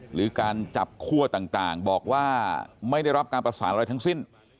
หรือการจับคั่วต่างบอกว่าไม่ได้รับการประสานอะไรทั้งสิ้น